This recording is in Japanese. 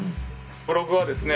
ブログはですね